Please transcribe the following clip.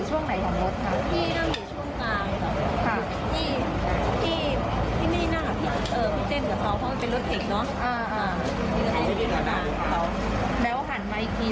สิ่งตัวอีกนี้ก็คือตอนมุดออกไปทางหาทางออกอะไรแหละ